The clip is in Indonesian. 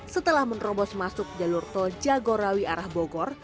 setelah menerobos masuk jalur tol jagorawi arah bogor